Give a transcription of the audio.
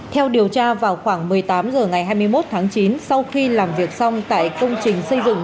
theo điều tra vào khoảng một mươi tám h ngày hai mươi một tháng chín sau khi làm việc xong tại công trình xây dựng